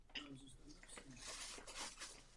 Má podobu odlesněného terénního zlomu.